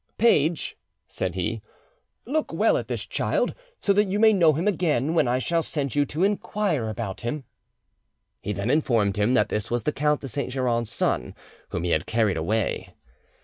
"Page," said he, "look well at this child, so that you may know him again when I shall send you to inquire about him." He then informed him that this was the Count de Saint Geran's son whom he had carried away.